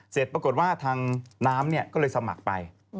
เสร็จปรากฏว่าทางน้ำก็เลยสมัครไป